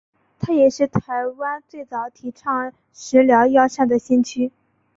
他也是台湾最早提倡食疗药膳的先驱。